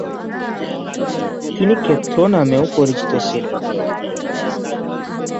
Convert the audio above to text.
তিনি ক্ষেত্র নামেও পরিচিত ছিলেন।